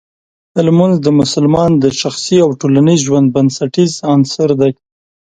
لمونځ د مسلمان د شخصي او ټولنیز ژوند بنسټیز عنصر دی.